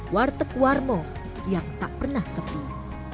warteg warmo yang tak pernah sepi